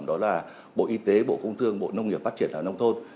đó là bộ y tế bộ công thương bộ nông nghiệp phát triển đào nông thôn